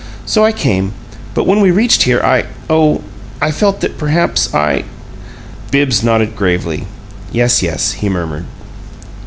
So I came. But when we reached here I oh, I felt that perhaps I " Bibbs nodded gravely. "Yes, yes," he murmured.